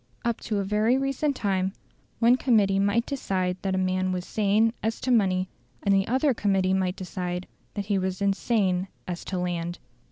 Up to a very recent time, one committee might decide that a man was sane as to money, and the other committee might decide that he was insane as to land.